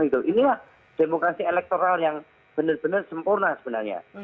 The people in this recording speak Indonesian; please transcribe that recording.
inilah demokrasi elektoral yang benar benar sempurna sebenarnya